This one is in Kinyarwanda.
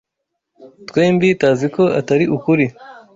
Twembi taziko atari ukuri.